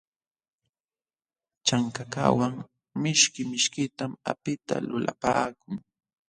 Chankakawan mishki mishkitam apita lulapaakun.